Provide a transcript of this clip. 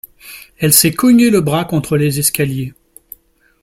Elle s’est cognée le bras contre les escaliers.